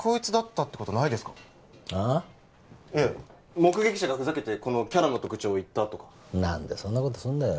目撃者がふざけてこのキャラの特徴を言ったとか何でそんなことすんだよ